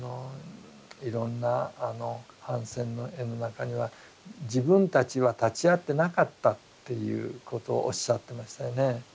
いろんなあの反戦の絵の中には自分たちは立ち会ってなかったっていうことをおっしゃってましたよね。